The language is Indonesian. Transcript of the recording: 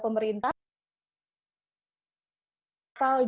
yang paling larut adalah